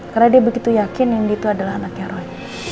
karena dia begitu yakin nindi tuh adalah anaknya roy